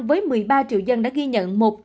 với một mươi ba triệu dân đã ghi nhận